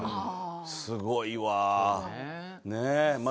すごいわあ。